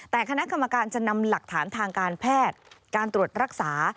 แต่คณะกรรมการจะนำหลักฐานทางการแพทย์การตรวจรักษา